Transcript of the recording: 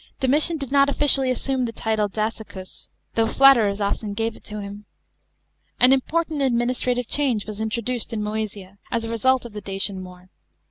I>omitian did not officially as>ume the title Dacicus, though flatterers often gave it to him. An important administraiive change was introduced in Moesia, as a result of the Dacian war.